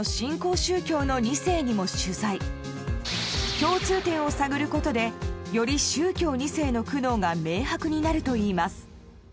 共通点を探ることでより宗教２世の苦悩が明白になるといいます